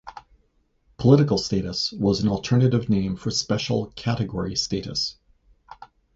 Political Status was an alternative name for Special Category Status.